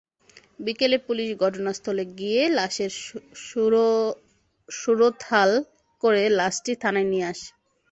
বিকেলে পুলিশ ঘটনাস্থলে গিয়ে লাশের সুরতহাল করে লাশটি থানায় নিয়ে আসে।